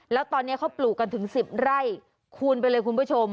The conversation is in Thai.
แล้วตอนนี้เขาปลูกกันถึง๑๐ไร่คูณไปเลยคุณผู้ชม